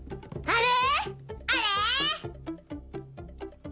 あれ？